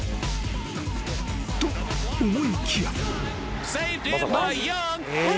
［と思いきや］